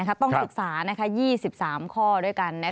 ต้องศึกษา๒๓ข้อด้วยกัน